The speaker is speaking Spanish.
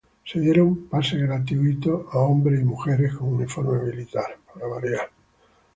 Se dieron pases gratuitos a hombres y mujeres con uniforme militar.